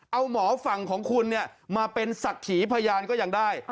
เอาหมอฝั่งของคุณมาเป็นศักดิ์ขีพยานก็ยังได้